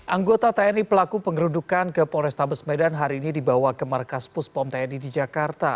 anggota tni pelaku pengerudukan ke polrestabes medan hari ini dibawa ke markas puspom tni di jakarta